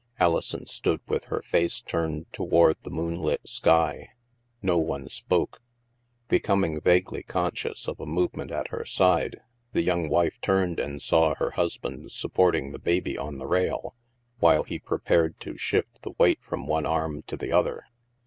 Alison stood with her face turned toward the moonlit sky. No one spoke. Becoming vaguely conscious of a movement at her side, the young wife turned and saw her husband supporting the baby on the rail, while he prepared to shift the weight from one arm to the other.